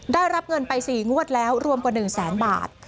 ได้รับเงินไป๔งวดแล้วรวมกว่า๑แสนบาท